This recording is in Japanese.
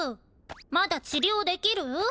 まだ治療できる？